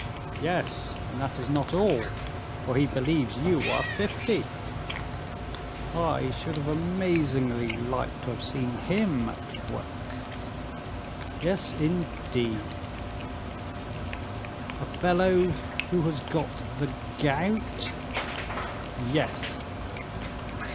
"Yes, and that is not all, for he believes you are fifty." "I should have amazingly liked to have seen him at work." "Yes, indeed." "A fellow who has got the gout?" "Yes."